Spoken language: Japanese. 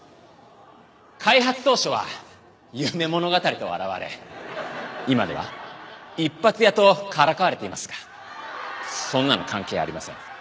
「開発当初は夢物語と笑われ今では一発屋とからかわれていますがそんなの関係ありません」